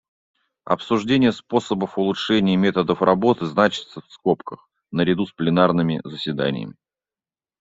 Обсуждения способов улучшения методов работы значатся в скобках наряду с пленарными заседаниями.